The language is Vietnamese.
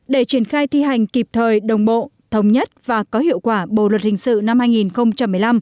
để triển khai thi hành kịp thời đồng bộ thống nhất và có hiệu quả bộ luật hình sự năm hai nghìn một mươi năm